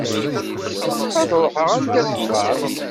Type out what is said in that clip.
Ad ruḥeɣ anda tebɣam.